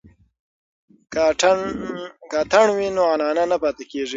که اتڼ وي نو عنعنه نه پاتې کیږي.